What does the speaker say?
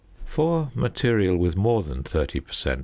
For material with more than 30 per cent.